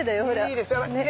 いいですね。